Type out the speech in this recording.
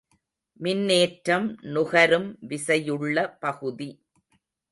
மின்னேற்றம் நுகரும் விசையுள்ள பகுதி.